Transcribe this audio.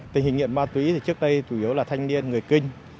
tình hình nghiện ma túy thì trước đây chủ yếu là thanh niên người kinh